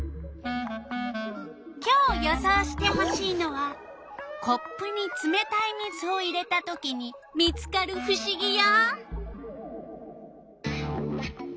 今日予想してほしいのはコップにつめたい水を入れたときに見つかるふしぎよ！